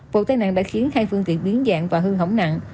vụ tai nạn đã khiến hai phương tiện biến dạng và hư hỏng nặng